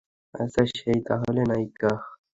আচ্ছা, সে-ই তাহলে নায়িকা।